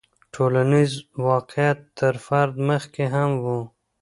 ټولنیز واقعیت تر فرد مخکې هم و.